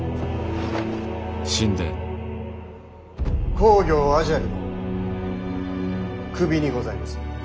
公暁阿闍梨の首にございます。